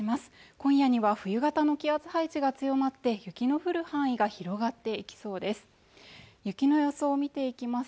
今夜には冬型の気圧配置が強まって雪の降る範囲が広がっていきそうです